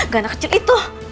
gak anak kecil itu